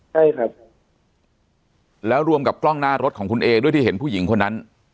ใช่ครับแล้วรวมกับกล้องหน้ารถของคุณเอด้วยที่เห็นผู้หญิงคนนั้น